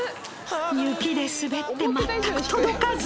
雪で滑って全く届かず。